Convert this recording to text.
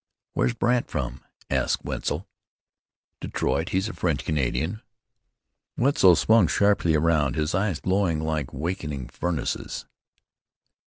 "Where's Brandt from?" asked Wetzel. "Detroit; he's a French Canadian." Wetzel swung sharply around, his eyes glowing like wakening furnaces.